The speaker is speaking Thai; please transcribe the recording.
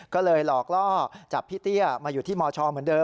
ก็เลยหลอกล่อจับพี่เตี้ยมาอยู่ที่มชเหมือนเดิ